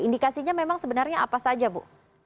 indikasinya memang sebenarnya apa saja bu